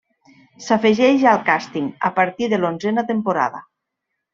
S'afegeix al càsting, a partir de l'onzena temporada.